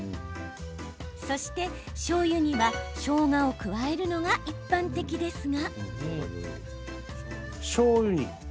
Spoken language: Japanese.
そして、しょうゆにはしょうがを加えるのが一般的ですが。